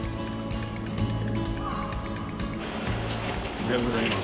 おはようございます。